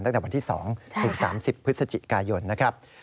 ตั้งแต่วันที่๒ถึง๓๐พฤศจิกายนนะครับ